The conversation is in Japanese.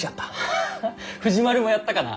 ハハ藤丸もやったかな？